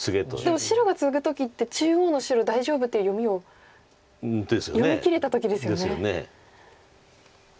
でも白がツグ時って中央の白大丈夫っていう読みを読みきれた時ですよね。ですよね。